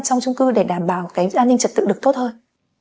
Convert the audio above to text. trong trung cư để đảm bảo cái an ninh trật tự được tốt hơn